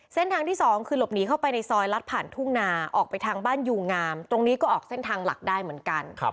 ที่สองคือหลบหนีเข้าไปในซอยลัดผ่านทุ่งนาออกไปทางบ้านยูงงามตรงนี้ก็ออกเส้นทางหลักได้เหมือนกัน